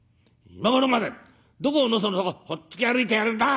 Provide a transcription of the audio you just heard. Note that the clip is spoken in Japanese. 『今頃までどこをのそのそほっつき歩いてやがるんだ！』